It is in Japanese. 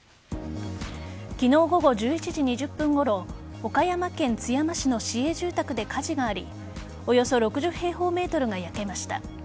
昨日午後１１時２０分ごろ岡山県津山市の市営住宅で火事がありおよそ６０平方ｍが焼けました。